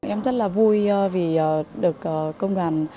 em rất là vui vì được công đoàn